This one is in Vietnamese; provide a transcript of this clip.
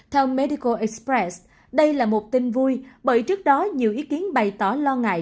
theo medicor express đây là một tin vui bởi trước đó nhiều ý kiến bày tỏ lo ngại